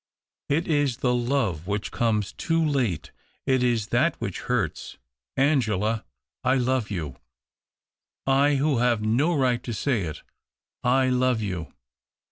It is the love which comes too late— it is that which hurts : Angela, I love you — I who have no right to say it — I love you."